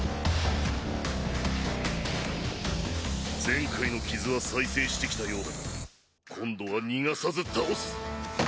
前回の傷は再生してきたようだが今度は逃がさず倒す！